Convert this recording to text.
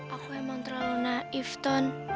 aku emang terlalu naif ton